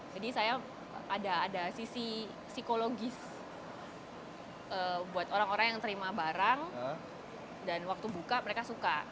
jadi saya ada sisi psikologis buat orang orang yang terima barang dan waktu buka mereka suka